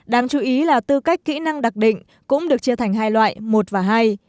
đáng chú ý là tư cách kỹ năng đặc định cũng được chia thành hai loại một và hai